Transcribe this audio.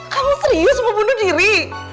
kamu serius mau bunuh diri